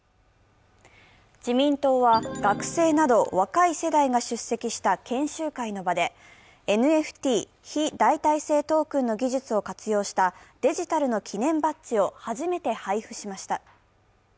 自民党は学生など若い世代が出席した研修会の場でＮＦＴ＝非代替性トークンの技術を活用したデジタルの記念バッジを初めて配布しました。